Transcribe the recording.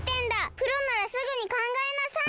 プロならすぐにかんがえなさい！